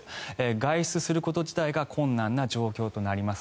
外出すること自体が困難な状況となります。